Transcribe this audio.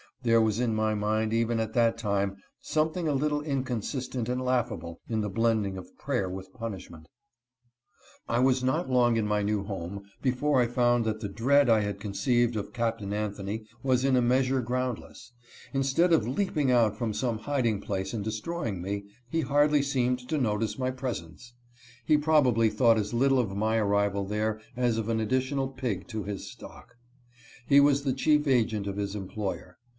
There was in my mind, even at that time, something a little inconsistent and laughable in the blending of prayer with punishment. 48 MY MASTER, CAPT. ANTHONY. I was not long in my new home before I found that the dread I had conceived of Captain Anthony was in a meas ure groundless. Instead of leaping out from some hiding place and destroying me, he hardly seemed to notice my presence. He probably thought as little of my arrival there as of an additional pig to his stock. He was the chief agent of his employer.